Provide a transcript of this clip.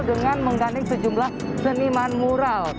dengan mengganding sejumlah seniman mural